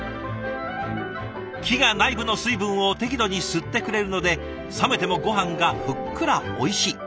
木が内部の水分を適度に吸ってくれるので冷めてもごはんがふっくらおいしい。